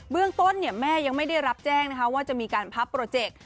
เรื่องต้นแม่ยังไม่ได้รับแจ้งนะคะว่าจะมีการพับโปรเจกต์